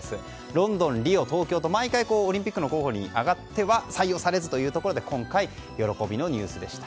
ロンドン、リオ、東京と毎回オリンピックの候補に上がっては採用されずというところで今回喜びのニュースでした。